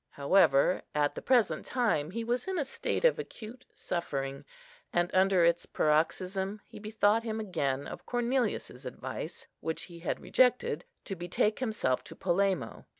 However, at the present time he was in a state of acute suffering, and, under its paroxysm, he bethought him again of Cornelius's advice, which he had rejected, to betake himself to Polemo.